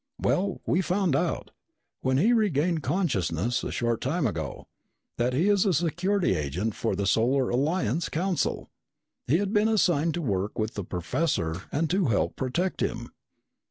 Well, we found out, when he regained consciousness a short time ago, that he is a security agent for the Solar Alliance Council. He had been assigned to work with the professor and to help protect him.